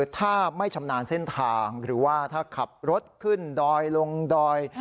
ถ้าไม่ชำนาญเส้นทางหรือว่าถ้าขับรถขึ้นดอยลงดอย